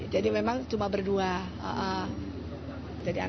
jadi memang cuma berdua